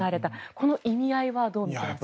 この意味合いはどう見ていますか？